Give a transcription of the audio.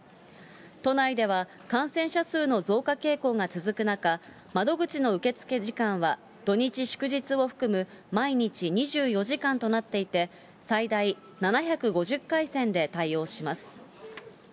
都内では感染者数の増加傾向が続く中、窓口の受け付け時間は土日祝日を含む毎日２４時間となっていて、最大７５０回線で対応します。